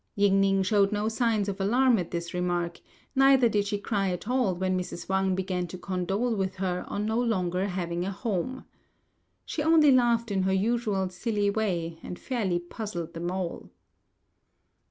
Ying ning shewed no signs of alarm at this remark; neither did she cry at all when Mrs. Wang began to condole with her on no longer having a home. She only laughed in her usual silly way, and fairly puzzled them all.